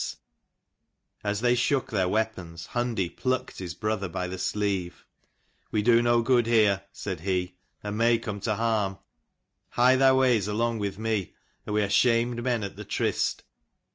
As they shook their weapons Hundi plucked his brother by the sleeve. " We do no good here," said he, "and may come to harm. Hie thy ways along with me, or we are shamed men at the tryst."